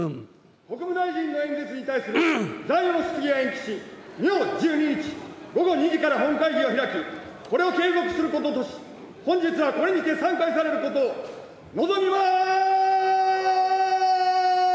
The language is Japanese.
国務大臣の演説に対する残余の質問に対し、明１２日午後２時から本会議を開き、これを継続することとし、本日はこれにて散会されることを望みます。